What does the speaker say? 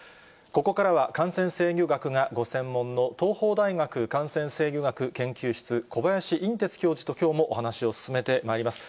ここからは、感染制御学がご専門の、東邦大学感染制御学研究室、小林寅てつ教授ときょうもお話を進めてまいります。